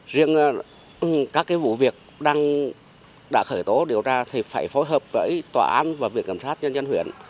riêng các vụ việc đã khởi tố điều tra thì phải phối hợp với tòa án và viện kiểm sát nhân dân huyện